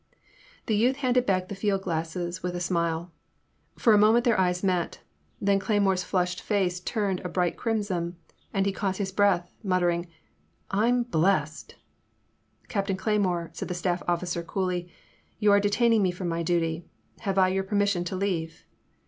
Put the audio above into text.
The youth handed back the field glass with a smile. For a moment their eyes met, then Cley more' s flushed face ttuned a bright crimson and he caught his breath, murmuring I 'm blest !"Captain Cleymore," said the staflF officer coolly, "you are detaining me fi om my duty. Have I your permission to leave